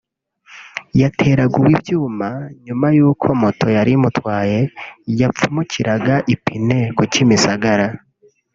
yateraguwe ibyuma nyuma y’uko moto yari imutwaye yapfumukiraga ipine ku Kimisagara